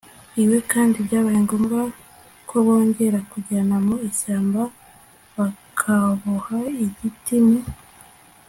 iwe kandi byabaye ngombwa ko bongera kujyanwa mu ishyamba bakaboha igiti. mu